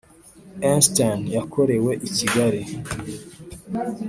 Einstein yakorewe i Kigali